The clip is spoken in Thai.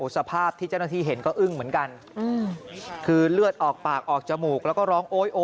สภาพที่เจ้าหน้าที่เห็นก็อึ้งเหมือนกันคือเลือดออกปากออกจมูกแล้วก็ร้องโอ๊ยโอ